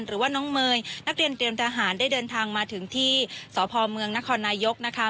หรือว่าน้องเมย์นักเรียนเตรียมทหารได้เดินทางมาถึงที่สพเมืองนครนายกนะคะ